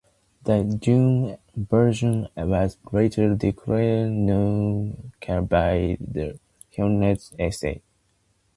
The "Dune Encyclopedia" version was later declared non-canonical by the Herbert estate.